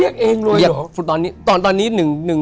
เขาเรียกเองเลยหรือ